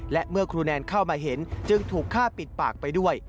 และเมื่อครูแนนเข้ามาเห็นจึงถูกฆ่าปิดปากไปด้วย